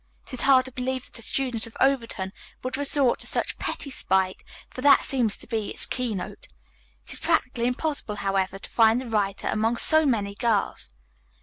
It is hard to believe that a student of Overton would resort to such petty spite, for that seems to be its keynote. It is practically impossible, however, to find the writer among so many girls."